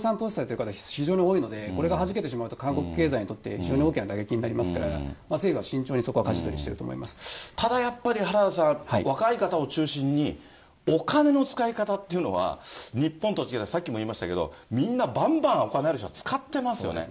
実際、不動産投資されている方、非常に多いので、これがはじけてしまうと韓国経済にとって非常に大きな打撃になりますから、政府は慎重にそこはかじ取りしているただやっぱり、原田さん、若い方を中心に、お金の使い方っていうのは、日本と違って、みんなばんばんお金ある人は使ってますよね。